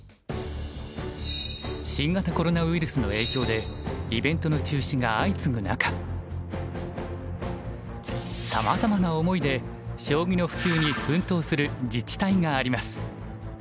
新型コロナウイルスの影響でイベントの中止が相次ぐ中さまざまな思いで将棋の普及に奮闘する自治体があります。